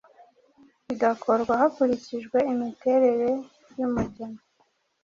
bigakorwa hakurikijwe imiterere y’umugemo.